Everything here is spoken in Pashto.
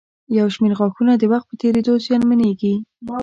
یو شمېر غاښونه د وخت په تېرېدو زیانمنېږي.